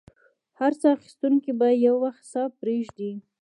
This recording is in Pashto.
هر ساه اخیستونکی به یو وخت ساه پرېږدي.